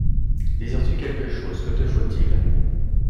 Désires-tu quelque chose? que te faut-il ?